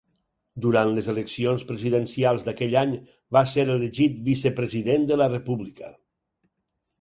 Durant les eleccions presidencials d'aquell any, va ser elegit vicepresident de la República.